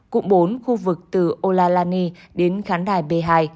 cụm bốn khu vực từ olalani đến khán đài b hai